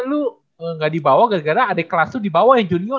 lo gak dibawa gara gara ada kelas lo dibawa yang junior